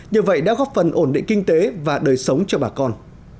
nhờ vậy đã góp phần ổn định kinh tế và đời sống cho bà con